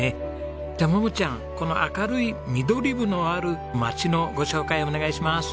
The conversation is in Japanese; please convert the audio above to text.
じゃ桃ちゃんこの明るいミドリブのある町のご紹介お願いします。